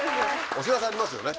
お知らせありますよね。